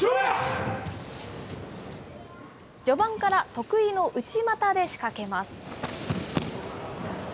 序盤から得意の内股で仕掛けます。